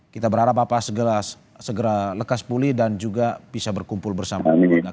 kita berharap bapak segera lekas pulih dan juga bisa berkumpul bersama keluarga